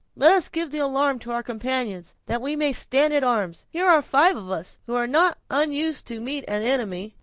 Let us give the alarm to our companions, that we may stand to our arms. Here are five of us, who are not unused to meet an enemy."